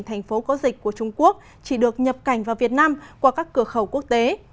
thành phố có dịch của trung quốc chỉ được nhập cảnh vào việt nam qua các cửa khẩu quốc tế